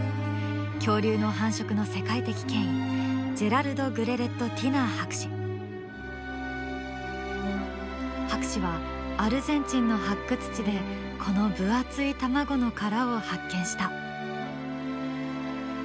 恐竜の繁殖の世界的権威博士はアルゼンチンの発掘地でこの分厚い卵の殻を発見した。